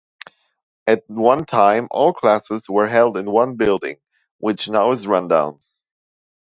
At one time all classes were held in one building, which now is rundown.